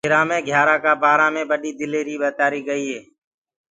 جرآ مي گھِيآرآ ڪآ بآرآ مي بڏيٚ دليريٚ ٻتآريٚ گئيٚ هي اور